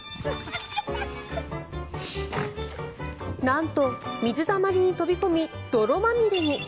なんと、水たまりに飛び込み泥まみれに。